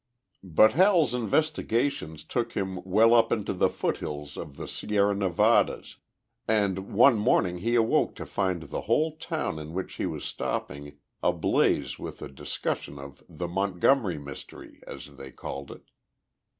But Hal's investigations took him well up into the foot hills of the Sierra Nevadas, and one morning he awoke to find the whole town in which he was stopping ablaze with a discussion of the "Montgomery mystery," as they called it.